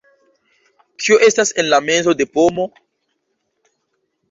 Kio estas en la mezo de pomo?